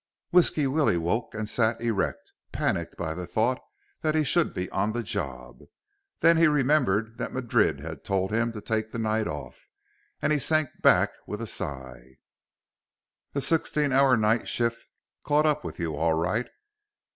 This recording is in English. Whisky Willie woke and sat erect, panicked by the thought that he should be on the job. Then he remembered that Madrid had told him to take the night off, and he sank back with a sigh. A sixteen hour night shift caught up with you, all right.